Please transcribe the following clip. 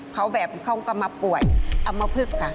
เขาก็มาป่วยเอามาพึกค่ะ